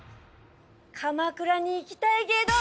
鎌倉に行きたいけど。